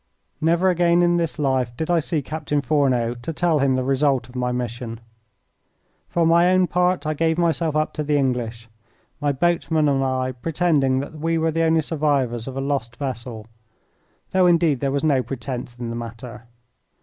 Never again in this life did I see Captain Fourneau to tell him the result of my mission. For my own part I gave myself up to the English, my boatman and I pretending that we were the only survivors of a lost vessel though, indeed, there was no pretence in the matter.